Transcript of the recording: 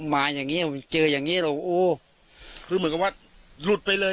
มาอย่างเงี้เจออย่างงี้เราโอ้คือเหมือนกับว่าหลุดไปเลย